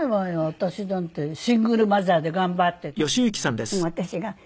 私だってシングルマザーで頑張ってたんだもん。